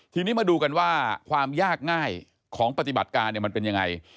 ทีนี้มาดูกันว่าความยากง่ายของปฏิบัติการมันเป็นยังไง